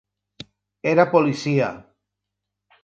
Era policia.